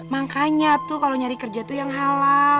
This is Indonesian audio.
makanya tuh kalau nyari kerja tuh yang halal